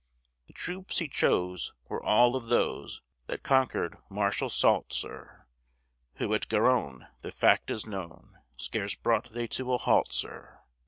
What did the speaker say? The troops he chose were all of those That conquer'd Marshall Soult, sir; Who at Garonne (the fact is known) Scarce brought they to a halt, sir.